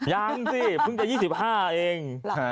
ยังสิเพิ่งจะ๒๕เอง